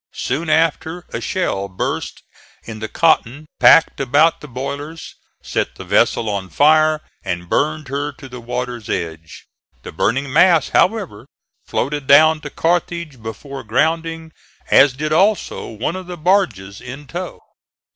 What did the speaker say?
Soon after a shell burst in the cotton packed about the boilers, set the vessel on fire and burned her to the water's edge. The burning mass, however, floated down to Carthage before grounding, as did also one of the barges in tow.